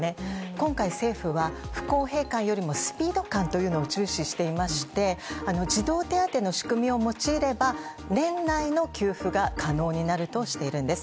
今回、政府は、不公平感よりもスピード感というのを重視していまして、児童手当の仕組みを用いれば、年内の給付が可能になるとしているんです。